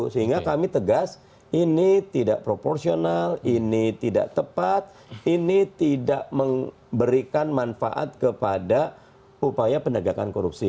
sehingga kami tegas ini tidak proporsional ini tidak tepat ini tidak memberikan manfaat kepada upaya penegakan korupsi